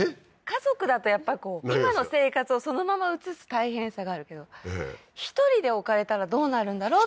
家族だとやっぱこう今の生活をそのまま移す大変さがあるけど１人で置かれたらどうなるんだろう？